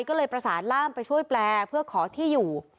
ก็เลยประสานล่ามไปช่วยแปลเพื่อขอที่อยู่